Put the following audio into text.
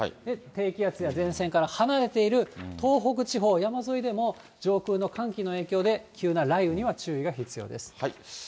低気圧や前線から離れている東北地方山沿いでも、上空の寒気の影響で、急な雷雨には注意が必要です。